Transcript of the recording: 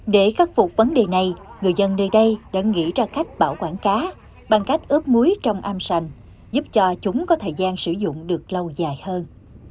để khắc phục vấn đề này người dân nơi đây đã nghĩ ra cách bảo quản cá bằng cách ướp muối trong am sành giúp cho chúng có thời gian sử dụng được lâu dài hơn